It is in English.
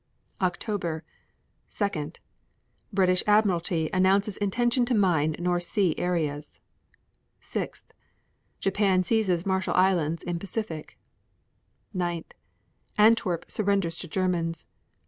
October 2. British Admiralty announces intention to mine North Sea areas. 6. Japan seizes Marshall Islands in Pacific. 9. Antwerp surrenders to Germans.